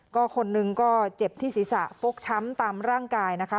ก็คนหนึ่งก็เจ็บที่ศีรษะฟกช้ำตามร่างกายนะคะ